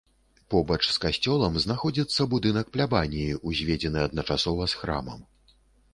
Побач з касцёлам знаходзіцца будынак плябаніі, узведзены адначасова з храмам.